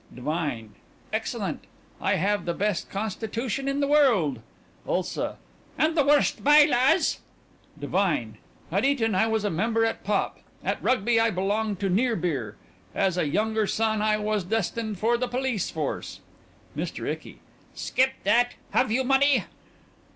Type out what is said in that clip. DIVINE: Excellent. I have the best constitution in the world ULSA: And the worst by laws. DIVINE: At Eton I was a member at Pop; at Rugby I belonged to Near beer. As a younger son I was destined for the police force MR. ICKY: Skip that.... Have you money?...